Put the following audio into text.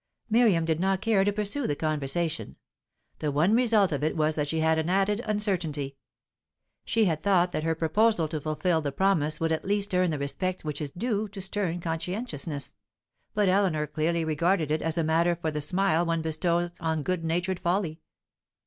Miriam did not care to pursue the conversation. The one result of it was that she had an added uncertainty. She had thought that her proposal to fulfil the promise would at least earn the respect which is due to stern conscientiousness; but Eleanor clearly regarded it as matter for the smile one bestows on good natured folly.